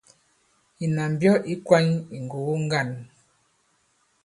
Ìnà mbyɔ ì kwany ì ŋgògo ŋgân.